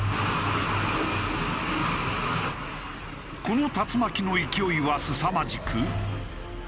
この竜巻の勢いはすさまじく。